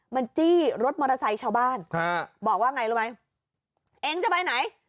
มันจี้รถมอเตอร์ไซค์ชาวบ้านบอกว่าไงรู้ไหมเองจะไปไหน